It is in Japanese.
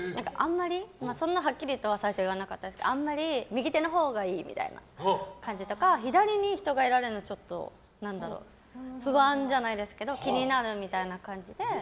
はっきりとは最初言わなかったんですけど右手のほうがいいみたいな感じとか左に人がいられるのが不安じゃないですけど気になるみたいな感じで。